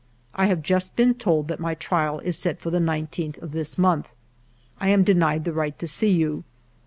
I have just been told that my trial is set for the 19th of this month. I am denied the right to see you.